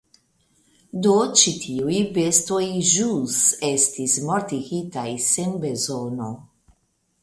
Do ĉi tiuj bestoj ĵus estis mortigitaj sen bezono.